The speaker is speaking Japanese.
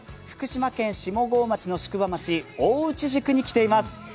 福島県下郷町の宿場町、大内宿に来ています。